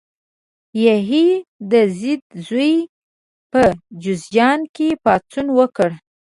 یحیی د زید زوی په جوزجان کې پاڅون وکړ.